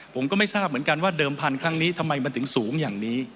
ผมก็ไม่ทราบเหมือนกันว่าเดิมพันธุ์ครั้งนี้ทำไมมันถึงสูงอย่างนี้